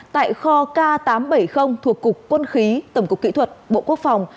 tại kho k tám trăm bảy mươi thuộc cục quân khí tổng cục kỹ thuật bộ quốc phòng